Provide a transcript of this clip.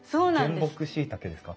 原木しいたけですか？